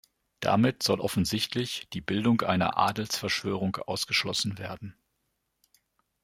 Damit soll offensichtlich die Bildung einer Adelsverschwörung ausgeschlossen werden.